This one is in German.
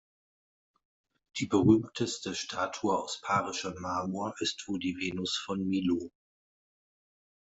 Die berühmteste Statue aus Parischem Marmor ist wohl die Venus von Milo.